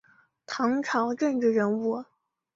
唐朝政治人物。